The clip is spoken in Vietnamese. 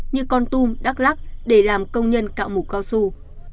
như con tum đắk lắc để làm công nhân cạo mũ cao su